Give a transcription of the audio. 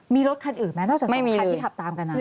มีรถคันอื่นไหมนอกจากคันที่ขับตามกัน